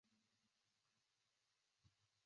但高速铁路毋须自行驾车会较为舒适。